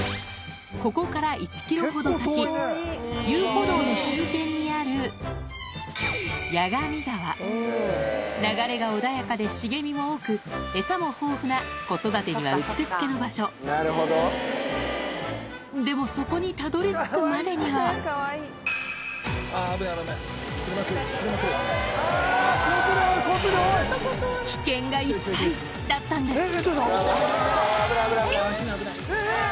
ここから１ｋｍほど先遊歩道の終点にある流れが穏やかで茂みも多くエサも豊富な子育てにはうってつけの場所でもそこにたどり着くまでには危険がいっぱいだったんです